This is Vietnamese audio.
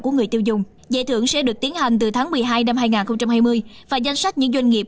của người tiêu dùng giải thưởng sẽ được tiến hành từ tháng một mươi hai năm hai nghìn hai mươi và danh sách những doanh nghiệp